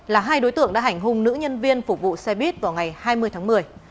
là hai đối tượng đã hành hung nữ nhân viên phục vụ xe buýt vào ngày hai mươi tháng một mươi